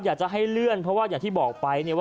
อยากจะให้เลื่อนเพราะว่าอย่างที่บอกไปเนี่ย